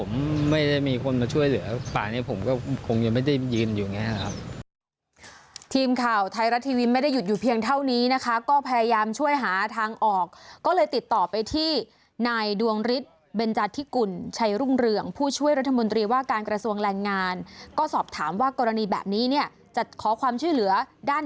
เกิดเมื่อวานถ้าผมไม่ได้มีคนมาช่วยเหลือ